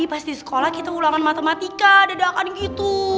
tadi pas di sekolah kita ulangan matematika dedakan gitu